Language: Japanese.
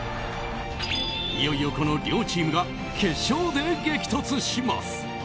いよいよこの両チームが決勝で激突します。